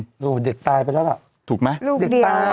โหเด็กตายไปแล้วแหละถูกไหมลูกเดียวเด็กตาย